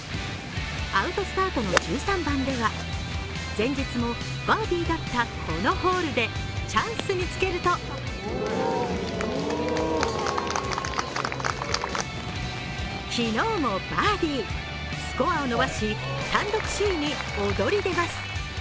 アウトスタートの１３番では前日もバーディーだったこのホールで、このホールでチャンスにつけると昨日もバーディー、スコアを伸ばし単独首位に躍り出ます。